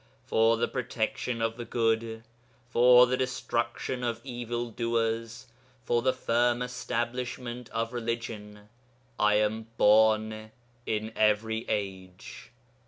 'For the protection of the good, for the destruction of evildoers, for the firm establishment of religion, I am born in every age.'